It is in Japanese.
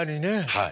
はい。